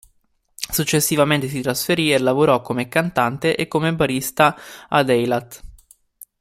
Successivamente si trasferì e lavorò come cantante e come barista ad Eilat.